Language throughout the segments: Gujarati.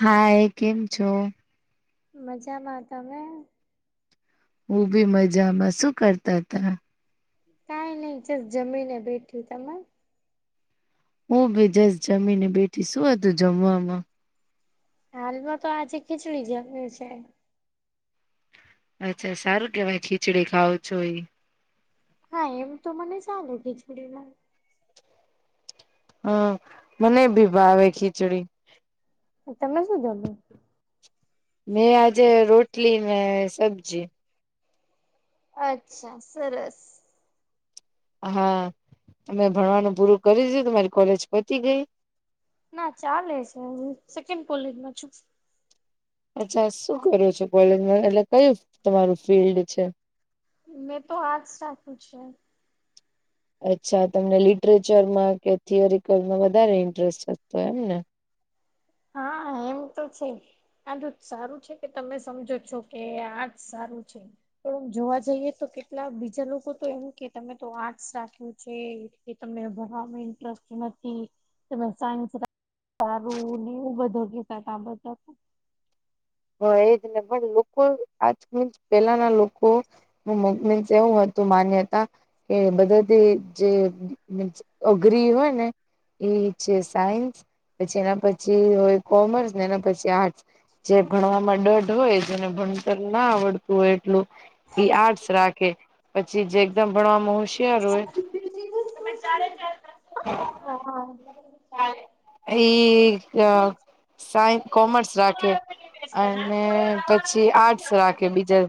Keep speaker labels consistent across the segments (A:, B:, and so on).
A: હા એ કેમ છો
B: મજામાંતા મે
A: હું બી મજામાં શું કરતા હતા.
B: કઈ નહી જસ જમી ને બેઠ્યું તમે
A: હું ભી જસ જમી ને બેઠી શું હતું જમવામાં
B: હાલમાં તો આજે ખીચડી જમ્યું છે.
A: અચ્છા સારું કેવાય ખીચડી ખાવ છો એ
B: હા એમ તો મને સાલું ખીચડીમાં
A: હા મને ભી ભાવે ખીચડી
B: તમે શું જમો
A: મેં આજે રોટલી ને સબ્જી
B: અચ્છા સરસ
A: હા અમે ભણવાનું પૂરું કરી દું તમારી કોલેજ પતી ગઈ.
B: ના ચાલે છે હ સેકન્ડ કોલેજમાં છું.
A: અચ્છા શું કરો છો કોલેજમાં એટલે કયું તમારું ફિલ્ડ છે.
B: મેં તો આર્ટસ રાખ્યું છે
A: અચ્છા તમને લિટરેચરમાં કે થિયોરિકલમાં વધારે ઇન્ટરેસ્ટતો એમ ને
B: હા એમ તો છે. આજ સારું છે કે તમે સમજો છો કે આજ સારું છે. પણમ જોવા જઈએ તો કેટલા બીજા લોકો તો એમ કે તમે તો આર્ટસ રાખ્યું છે. તમને ભણવાવામાં ઇન્ટરેસ્ટ નથી તમે સાયન્સ સારું ને એવું બધું કેસા ત બધા
A: હ એ જ નહી પણ લોકો આજ મ પેલાના લોકો હ મોગમ એવું હતું માન્યતા કે બધા જે અઘરી હોય ને એ છે સાયન્સ પછી એના પછી હોય કોમર્સ ને એના પછી આર્ટસ જે ભણવામાં ડઢ હોય જને ભણતર ના આવડતું હોય એટલું આર્ટસ રાખે પછી જે એકદમ ભણવામાં હોશિયાર હોય.
B: ચ હા
A: એ સાય કોમર્સ રાખે અને પછી આર્ટસ રાખે બીજા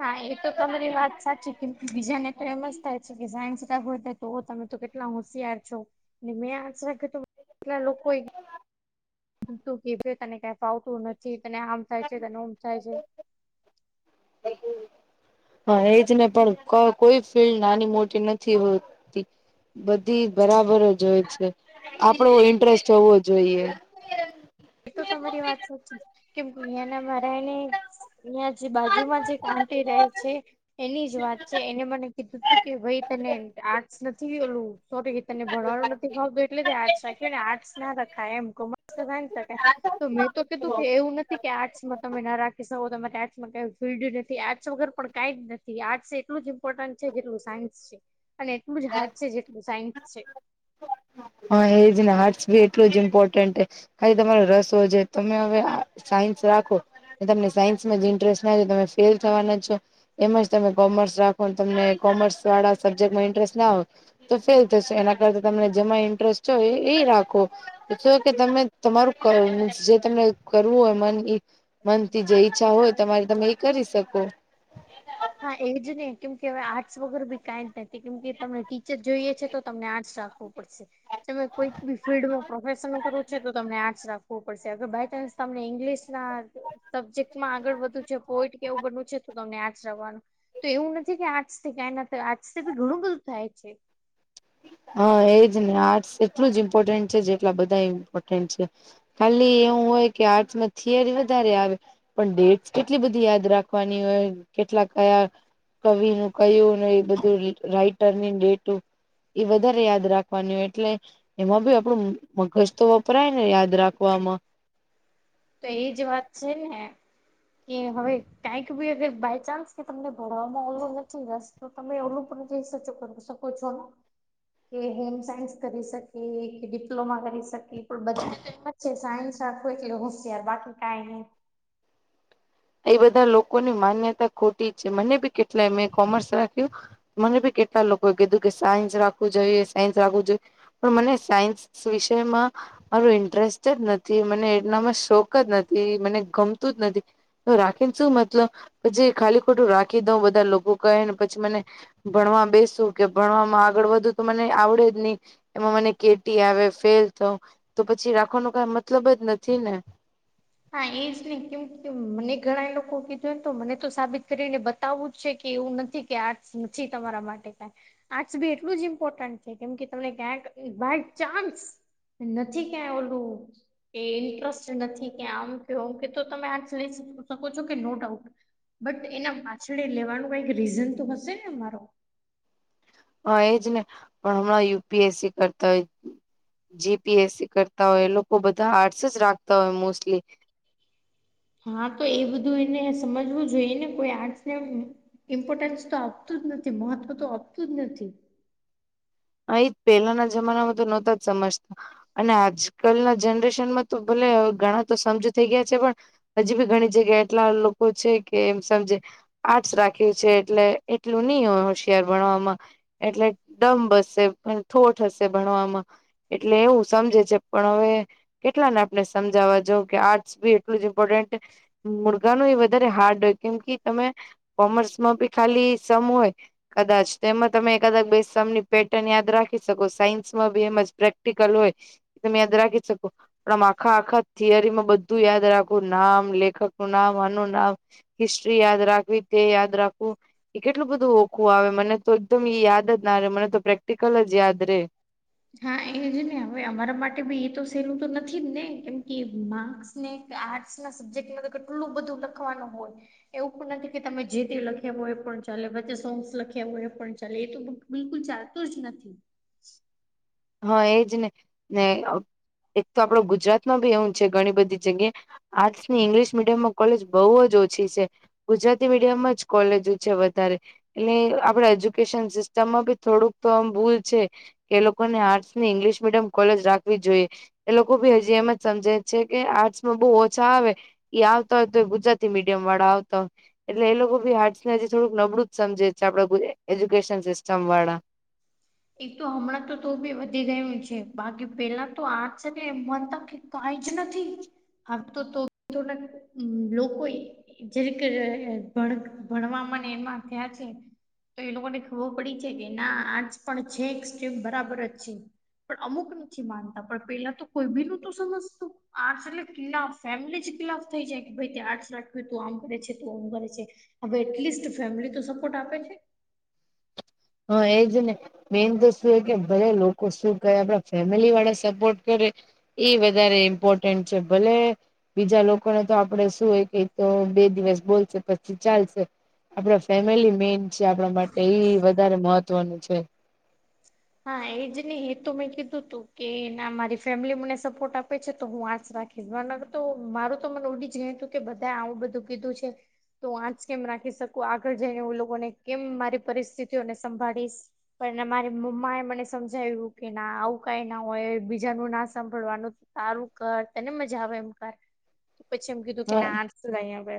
B: હા એ તો તમારી વાત સાચી કે બીજા ને તો એમ જ થાય છે કે સાનસધ તો તમે તો કેટલા હોશિયાર છો મેં આશ રાખ કેટલા લોકો હમ તું કે તને કં ફાવતું નથી તને આમ થાય છે તને ઉમ થાય છે.
A: હા એજ ને પણ ક કોઈ ફિલ્ડ નાની મોટી નથી હોતી. બધી બરાબર જ હોય છે આપડો ઇન્ટરેસ્ટ હોવો જોઈએ.
B: એ તો તમારી વાત સાચી કેમ દુનિયા ના મારાય ને અહીંયા જે બાજુમાં જે આંટી રહે છે. એની જ વાત છે એને મને કીધું તું કે ભાઈ તને આ [unintelligible] એલું તો તને ભણાવેલો? એટલે આર્ટસ રાખે આર્ટ્સ ના રખાય એમ કોમર્સને ત તો મેં તો કીધું કે એવું નથી કે આર્ટસમાં તમે ના રાખી શકો તમા આર્ટમાં ક ફિલ્ડ નથી આર્ટસ વગર પણ કઈ જ નથી. આર્ટ્સ એટલું જ ઇમ્પોર્ટન્ટ છે જેટલું સાયન્સ છે અને [unintelligible] જેટલું સાયન્સ છે.
A: હા એજને હર્ટસ બી એટલું જ ઇમ્પોર્ટન્ટ હે ખાલી તમારો રસો છે તમે હવે સાયન્સ રાખો તમને સાયન્સમાં જ ઇન્ટરેસ્ટ ના તમે ફેલ થવાના છો. એમાંજ તમે કોમર્સ રાખો તમને કોમર્સ વાળા સબ્જેક્ટમાં ઇન્ટરેસ્ટ ના હો તો ફેલ થશે એના કરતા તમને જેમાં ઇન્ટરેસ્ટ છે એ રાખો. છ કે તમે તમારું મીસ જે તમને કરવું હોય મન ઈ મનથી જે ઈચ્છા હોય તમારે તમે એ કરી શકો. [inaudible]
B: હા એ જ નહી કેમ કે હવે આર્ટસ વગર બી કઈ જ નથી કેમ કે તમને ટીચર જોઈએ છે તો તમને આર્ટસ રાખ પડશે તમે કોઈક બી ફિલ્ડમાં પ્રોફેશનલ કરવો છે તો તમને આર્ટસ રાખવું પડશે અગર બાય ચાન્સ તમને ઇંગ્લિશ ના સબ્જેક્ટમાં આગળ વધવું છે, પોઈટ કેવું બનવું છે તમને આંચ રવાનું તો એવું નથી કે આજથી ક્યાં ના આજથી ઘણું બધું થાય છે.
A: હા એજ ને આર્ટસ એટલું જ ઇમ્પોર્ટન્ટ છે જેટલા બધા ઇમ્પોર્ટન્ટ છે. ખાલી એવું હોય કે આર્ટસમાં થિયરી વધારે આવે પણ ડેટ કેટલી બધી યાદ રાખે વાની હોય કેટલા કયા કવિ નું કયું ને એ બધું રાઈટરની ડેટું એ વધારે યાદ રાખવાની હોય એટલે એમાં બી આપડું મગજ તો વપરાય ને યાદ રાખવામાં
B: તો એ જ વાત છે ને કે હવે કંઈક ભી હવે બાય ચાન્સ કે તમને ભણવામાં ઓલ નથી રસ તો તમે ઓલું પણ કઈ સચ કરી શકો છો. કે હોમ સાયન્સ કરી શકે કે ડિપ્લોમા કરી શકે પણ બધા ને એવું જ છે સાયન્સ રાખું એટલે હોશિયાર બાકી કઈ નહી.
A: એ બધા લોકોની માન્યતા ખોટી છે મને બી કેટલાય મેં કોમર્સ રાખ્યું મને ભી કેટલા લોકોએ કીધું કે સાયન્સ રાખવું જોઈએ, સાયન્સ રાખવું જોઈએ પણ મને સાયન્સ વિષયમાં મારું ઇન્ટરેસ્ટ જ નથી, મને એનામાં શોખ જ નથી, મને ગમતું જ નથી તો રાખીને શું મતલબ, પછી ખાલી ખોટું રાખી દઉં બધા લોકો કહેને પછી મને ભણવા બેસું કે ભણવામાં આગળ વધુ તો મને આવડે જ નહી. એમાં મને કેટી આવે ફેલ થઉ તો પછી રાખવાનો કઈ મતલબ જ નથી ને?
B: હા એજ નહી કેમ કે મને ઘણા લોકો કીધું તો મને તો સાબિત કરીને બતાવું જ છે કે એવું નથી કે આર્ટ નથી તમારા માટે કઈ. આર્ટસ બી એટલું જ ઇમ્પોર્ટન્ટ છે કેમ કે તમને ક્યાંક બાય ચાન્સ નથી ક્યાં ઓલું કે ઇન્ટરેસ્ટ નથી. કે આમ કે ઓમ તો તમે આ લઈ શકો છો કે નો ડાઉટ. બટ એના પાછળે લેવાનું કઈક રીઝન તો હશે ને અમારો.
A: હા એજ ને પણ હમણાં યુ પી એસ સી કરતા હોય જી પી એસ સી કરતા હોય એ લોકો બધા હારટસ જ રાખતા હોય મોસ્ટલી.
B: હા તો એ બધું એને સમજવું જોઈએને કોઈ આર્ટસવને ઇમ્પોર્ટન્સ તો આપતું જ નથી, મહત્વ તો આપતું જ નથી.
A: હા એજ પહેલાના જમાનામાં તો નહોતા જ સમજતા. અને આજ કલના જનરેશનમાં તો ભલે ઘણા તો સમજ થઈ ગયા છે પણ હજી બી ઘણી જગ્યા એટલા લોકો છે કે એમ સમજે. આર્ટસ રાખ્યું છે એટલે એટલું નહ હોય હોશિયાર ભણવામાં એટલે ડમ બસ ઠોઠ હશે ભણવામાં એટલે એવું સમજે છે પણ હવે કેટલાને આપણે સમજાવવા જો કે આર્ટસ બી એટલું જ ઇમ્પોર્ટન્ટ મુઘાનું એ વધારે હાર્ડ હોય કેમ કે તમે. કોમર્સમાં બી ખાલી સમ હોય કદાચ તેમાં તમે કદાચ બે સમ ની. પેટર્ન યાદ રાખી શકો સાયન્સમાં બી એમ જ પ્રેક્ટિકલ હોય તમે યાદ રાખી શકો. પણ આમ આખા આખા થિયરીમાં બધું યાદ રાખું નામ લેખક ન નામ આનું નામ. હિસ્ટ્રીરી યાદ રાખ વિદ્યા યાદ રાખું એ કેટલું બધું ઓખું આવે મને તો એકદમ યાદ જ ના રે મને તો પ્રેક્ટિકલ જ યાદ રે
B: હા એજ ને હવે અમારા માટે બી એ તો સહેલું તો નથી જ ને કેમ કે મા. ને આર્ટસ ના સબ્જેક્ટમાં તો કેટલું બધું લખવાનું હોય. એવું પણ નથી કે તમે જે તે લખ્યા હોો એ પણ ચાલે બચે સોંગ્સ લખ્યા હોય એ પણ ચાલે એ તો. બિલકુલ ચાલતો જ નથી.
A: હા એજ ને ને એક તો આપડો ગુજરાતમાં બી એવું છે ઘણી બધી જગ્યા. આર્ટ્સ ની ઇંગ્લિશ મીડિયમમાં કોલેજ બહુ જ ઓછી છે. ગુજરાતી મીડિયમમાં જ કોલેજો છે વધારે એટલે આપડે એજ્યુકેશન સિસ્ટમમાં બી થોડુંક તો ભૂલ છે લોકોનેર્ટસ ંગ્લિશ મીડિયમ કોલેજ રાખવી જોઈએ એ લોકો બી હજી એમ જ સમજે છે કે આર્ટસમાં બહુ ઓછા આવે. એ આવતા હોય તો ગુજરાતી મીડિયમ વાળા આવતા હોય. એટલે એ લોકો ભી હાજ ને હજી થોડુંક નબળું જ સમજે છે આપડા એજ્યુકેશન સિસ્ટમ વાળા
B: એ તો હમણાં તો તો બી વધી ગું છે બાકી પેલા તો આજટલે એમ મનતા કઈ જ નથી આ તો તો થોડાક લોકો જે ભ ભણવા મને એમાં થયા છે. તો એ લોકોને ખબર પડી છે કે ના આજ પણ છેક્સમ બરાબર જ છે. પણ અમુક નથી માનતા પણ પેલા તો કોઈ બી ન તો સમજતું. આર્ટસ એટલે કિલા ફેમિલી જ કિલાફ થઈ જાય કે ભાઈ આર્ટસ રાખ્યું તું આમ કરે છે તું ઓમ કરે છે. હવે એટલીસ્ટ ફેમિલી તો સપોર્ટ આપે છે.
A: હા એજ ને મેન તો શું કે ભલે લોકો શું કરે આપડા ફેમિલી વાળા સપોર્ટ કરે ઈ વધારે ઇમ્પોર્ટન્ટ છે ભલે બીજા લોકોને તો આપડે શું હોય કે તો બે દિવસ બોલશે પછી ચાલશે આપણા ફેમિલી મેન છે આપણા માટે એ વધારે મહત્વનું છે.
B: હા એજ નહી હે તોુ મેં કીધું તું કે એના મારી ફેમિલી મને સપોર્ટ આપે છે તો હું આશ રાખી કવાર તો મારું તો મને ઓડી જ ગય તું કે બધા આવું બધું કીધું છે. તો હું આંચ કેમ રાખી શકું આગળ જઈને હું લોકોને કેમ મારી પરિસ્થિતિઓને સંભાળીશ પણ અમારી મમ્ એ મને સમજાવ્યું કે ના આવું કઈ ના હોય બીજા ન ના સાંભળવાનું તારું કર તને મજા આવે એમ કર પછી એમ કીધું કે
A: હા
B: ના બે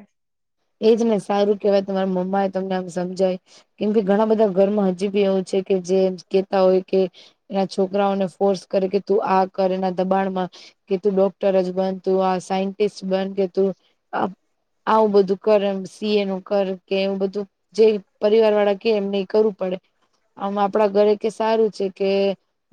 A: એજ ને સારું કેહેવાય તમારા મમ્મા એ તમને આમ સમજાય કેમ કે ઘણા બધા ઘરમાં હજી બી એવું છે કે જે કેતા હોય કે એના છોકરાઓને ફોર્સ કરે કે તું આ કર એના દબાણમાં કે તું ડોક્ટર જ બન તું આ સાયન્ટિસ્ટ બન કે તું આવું બધું. કર એમ સી એ નું કર કે એવું બધું જે પરિવાર વાળા કે એમને એ કરવું પડે આમ આપણા ઘરે કે સારું છે કે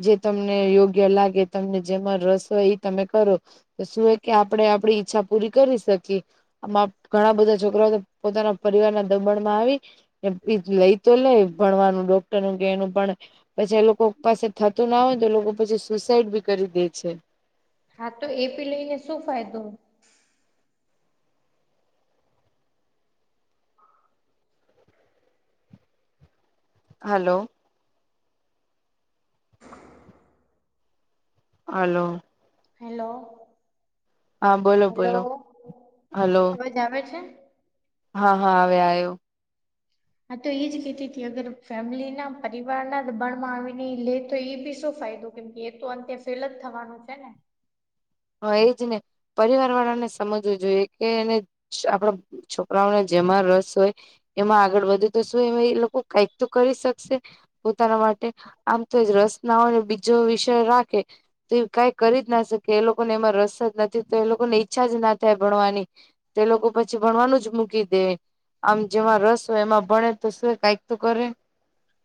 A: જે તમને યોગ્ય લાગે તમને જેમાં રસ હોય એ તમે કરો તો શું એ કે આપણેે આપડી ઈચ્છા પૂરી કરી શકીએ આમાં ઘણા બધા છોકરાઓ પોતાના પરિવાર ના દબણમાં આવી એ લઈ તો લઈ ભણવાનું ડોક્ટર નું કે એનું પણ પછી એ લોકો ઉપાસે થતું ના હોય તો લોકો પછી સુસાઈડ બી કરી દે છે.
B: હા તો એ પી લઈને શું ફાયદો
A: હલો. હલો.
B: હેલો
A: હા બોલો
B: હેલો
A: બોલો હલો
B: અવાજ આવે છે?
A: હા હા હવે આવ્યો.
B: આ તો એજ કેતીથી અગર ફેમિલી ના પરિવાર ના દબાણ માં આવીને લે તો એ બી શું ફાયદો? કેમ કે એ તો અંતે ફેલ જ થવાનું છે ને
A: હા એજ ને પરિવાર વાળા ને સમજવું જોઈએ કેને આપણા છોકરાઓને જેમાં રસ હોય એમાં આગળ વધું તો શું એ એ લોકો કઈક તો કરી શકશે. પોતાના માટે આમ તો જ રસનાઓને બીજો વિષય રાખે. તો એ કઈ કરી જ ના શકે એ લોકોને એમાં રસ જ નથી તો એ લોકોને ઈચ્છા જ ના થાય ભણવાની તે લોકો પછી ભણવાનું જ મૂકી દે. આમ જેમાં રસ હોય એમાં ભણે તો શું કઈક તો કરે.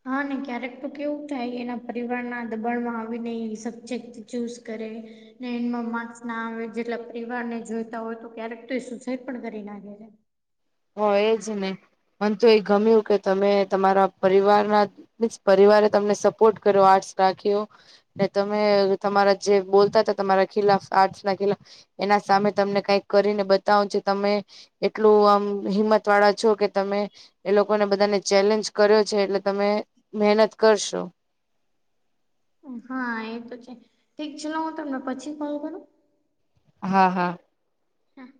B: હા ને ક્યારેક તો કેવું થાય એના પરિવાર ના દબાણમાં આવી ને ઈ સચક ચૂઝ કરે ને એમાં માર્સ ના આવે જેટલા પરિવાર ને જોઈતા હોય તો ક્યારેક તો એ સુસાઈડ પણ કરી નાખે છે.
A: હોય જ ને મન તો એ ગમ્યું કે તમે તમારા પરિવારના બસ પરિવારે તમને સપોર્ટ કર્યો આર્ટસ રાખ્યો. તમે તમારા જે બોલતા હતા તમારા ખિલાફ આર્ટસ ના ખિલાફ એના સામે તમને કઈક કરીને બતાવો છો તમે એટલું આમ હિંમત વાળા છો કે તમે એ લોકોને બધાને ચેલેન્જ કર્યો છે એટલે તમે મહેનત કરશો.
B: હા એ તો છે ઠીક છે નો હું તમને પછી ફોન કરું
A: હા હા.
B: હા.